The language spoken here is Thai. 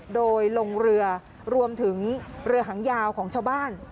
โดยลงเรือรวมถึงเรือหางยาวของชาวบ้าน